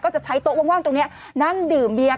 จะใช้โต๊ะว่างตรงนี้นั่งดื่มเบียร์